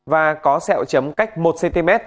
và có sẹo chấm cách một cm